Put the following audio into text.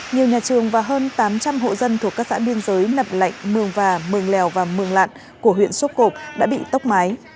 nhiều nhà trường và hơn tám trăm linh hộ dân thuộc các xã biên giới nập lạnh mường và mường lèo và mường lạn của huyện sốp cộp đã bị tốc mái